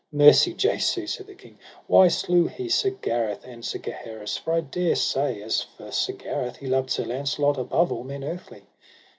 Mercy Jesu, said the king, why slew he Sir Gareth and Sir Gaheris, for I dare say as for Sir Gareth he loved Sir Launcelot above all men earthly.